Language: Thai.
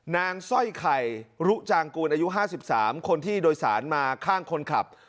นางสร้อยไข่รุจางกูลอายุห้าสิบสามคนที่โดยสารมาข้างคนขับ